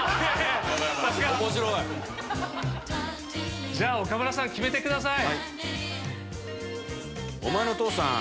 さすが！じゃあ岡村さん決めてください。